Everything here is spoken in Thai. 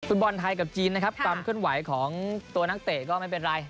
ฟุตบอลไทยกับจีนนะครับความเคลื่อนไหวของตัวนักเตะก็ไม่เป็นไร